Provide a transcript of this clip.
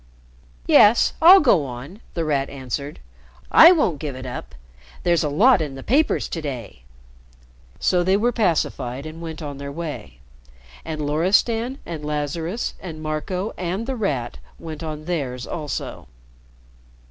'" "Yes, I'll go on," The Rat answered. "I won't give it up. There's a lot in the papers to day." So they were pacified and went on their way, and Loristan and Lazarus and Marco and The Rat went on theirs also.